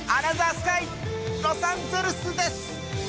スカイロサンゼルスです！